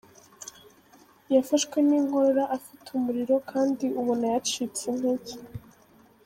Yafashwe n’inkorora afite umuriro kandi ubona yacitse intege.